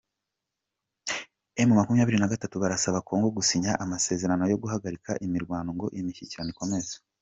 Emu makumyabiri nagatatu barasaba kongo gusinya amasezerano yo guhagarika imirwano ngo imishyikirano ikomeze